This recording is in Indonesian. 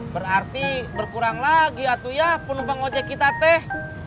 berarti berkurang lagi atuh ya pun ngejek kita teh